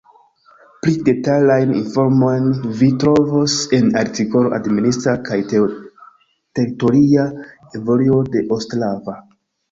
Pli detalajn informojn vi trovos en artikolo Administra kaj teritoria evoluo de Ostrava.